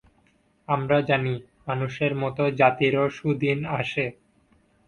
আমরা জানি, মানুষের মত জাতিরও সুদিন আসে।